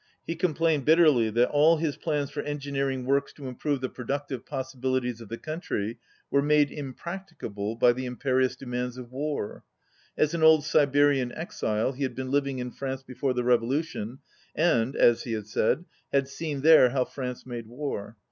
He complained bitterly that all his plans for engineering works to improve the productive possibilities of the coun try were made impracticable by the imperious de mands of war. As an old Siberian exile he had been living in France before the revolution and, as he said, had seen there how France made war.